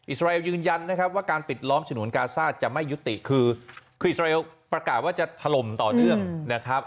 สราเอลยืนยันนะครับว่าการปิดล้อมฉนวนกาซ่าจะไม่ยุติคือคริสราเอลประกาศว่าจะถล่มต่อเนื่องนะครับ